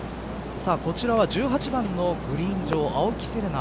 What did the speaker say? こちらは１８番のグリーン上青木瀬令奈。